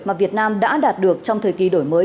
mà việt nam đã đạt được trong thời kỳ đổi mới